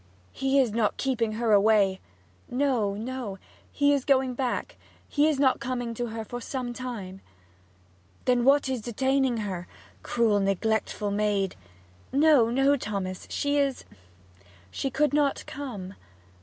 'He is not keeping her away?' 'No, no. He is going back he is not coming to her for some time.' 'Then what is detaining her cruel, neglectful maid!' 'No, no, Thomas; she is She could not come.'